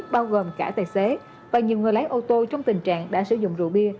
bao gồm cả tài xế và nhiều người lái ô tô trong tình trạng đã sử dụng rượu bia